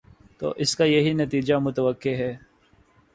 تو اس کا یہی نتیجہ متوقع ہے۔